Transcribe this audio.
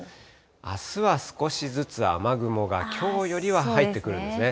あすは少しずつ雨雲がきょうよりは入ってくるんですね。